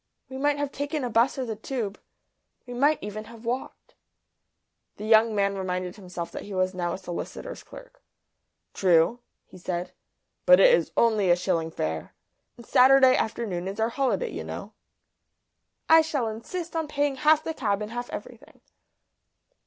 "We might have taken a 'bus or the Tube. We might even have walked." The young man reminded himself that he was now a solicitor's clerk. "True," he said. "But it is only a shilling fare. And Saturday afternoon is our holiday, you know." "I shall insist on paying half the cab and half everything."